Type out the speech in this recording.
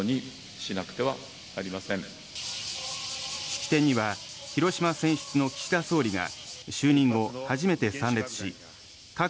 式典には広島選出の岸田総理が就任後初めて参列し核